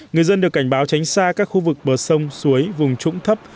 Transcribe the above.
người dân được cảnh báo tránh xa các khu vực bờ sông suối vùng trũng thấp